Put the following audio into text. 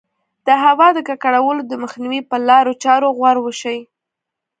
د هوا د ککړولو د مخنیوي په لارو چارو غور وشي.